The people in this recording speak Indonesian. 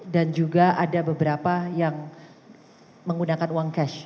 dan juga ada beberapa yang menggunakan uang pribadi saya